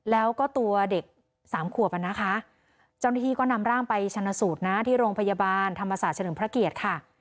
แล้วก็ตัวเด็กสามขวบอ่ะนะคะเจ้าหน้าที่ก็นำร่างไปชนะสูตรนะที่โรงพยาบาลธรรมศาสตร์เฉลิมพระเกียรติค่ะ